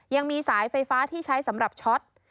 ยังมีสายไฟฟ้าที่ใช้สำหรับช็อต